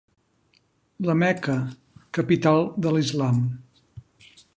La Meca, capital de l'islam.